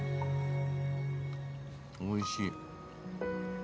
おいしい。